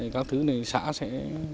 các thứ này xã sẽ